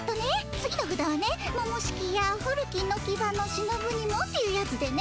次のふだはね「ももしきやふるきのきばのしのぶにも」っていうやつでね